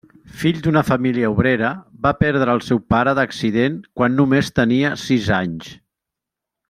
Fill d’una família obrera, va perdre el seu pare d’accident quan només tenia sis anys.